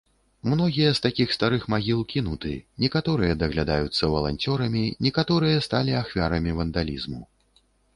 Многія з такіх старых магіл кінуты, некаторыя даглядаюцца валанцёрамі, некаторыя сталі ахвярамі вандалізму.